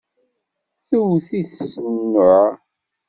Tewwet-it s nnuɛ.